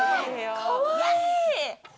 かわいい！